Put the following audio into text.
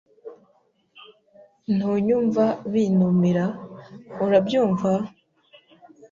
Ntunyumva binubira, urabyumva?